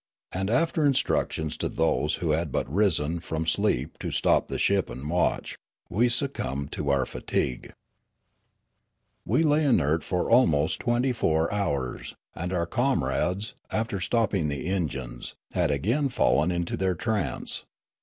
And after instructions to those who had but risen from sleep to stop the ship and watch, we succumbed to our fatig ue. 20 Riallaro We lay inert for almost twentj' four hours, and our comrades, after stopping the engines, had again fallen into their trance.